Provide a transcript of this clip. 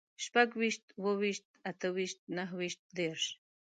شپږويشت، اووه ويشت، اته ويشت، نهه ويشت، دېرش